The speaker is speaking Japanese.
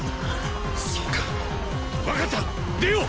そうか分かった出よう！